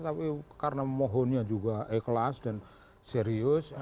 tapi karena mohonnya juga ikhlas dan serius